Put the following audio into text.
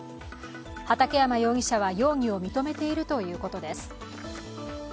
畠山容疑者は容疑を認めているということです。